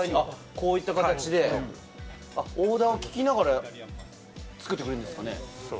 こういった形でオーダーを聞きながら作ってくれるんですかね。